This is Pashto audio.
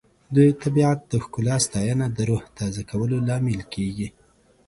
د طبیعت د ښکلا ستاینه د روح تازه کولو لامل کیږي.